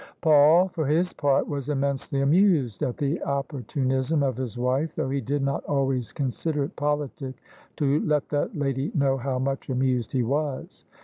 Paul, for his part, was immensely amused at the oppor tunism of his wife, though he did not always consider it politic to let that lady know how much amused he was.